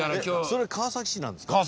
それ川崎市なんですか？